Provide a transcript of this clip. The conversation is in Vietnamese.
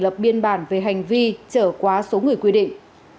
lập biên bản về hành vi chở qua số người quy định